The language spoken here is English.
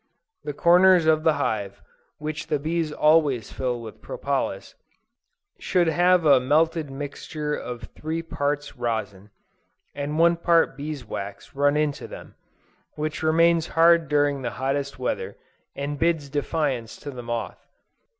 The corners of the hive, which the bees always fill with propolis, should have a melted mixture of three parts rosin, and one part bees wax run into them, which remains hard during the hottest weather, and bids defiance to the moth.